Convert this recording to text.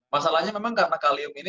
masalahnya memang karena kalium ini